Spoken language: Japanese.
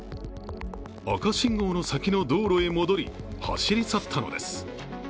赤信号の先の道路へ戻り走り去ったのです。